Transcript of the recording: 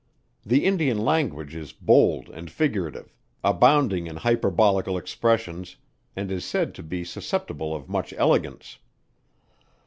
The Indian language is bold and figurative, abounding in hyperbolical expressions, and is said to be susceptible of much elegance.